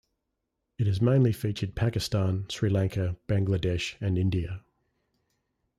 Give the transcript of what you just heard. It has mainly featured Pakistan, Sri Lanka, Bangladesh, and India.